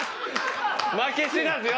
負け知らずよ